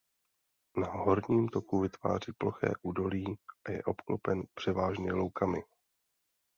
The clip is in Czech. Na horním toku vytváří ploché údolí a je obklopen převážně loukami.